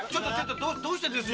どうしてですよ？